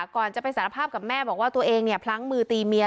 ก่อนจะไปสารภาพแมบอกว่าตัวเองพลังมือตีเมีย